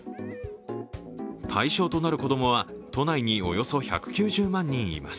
対象となる子供は都内におよそ１９０万人います。